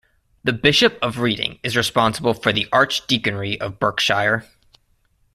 The Bishop of Reading is responsible for the archdeaconry of Berkshire.